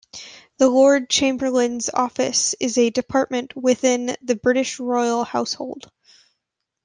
The Lord Chamberlain's Office is a department within the British Royal Household.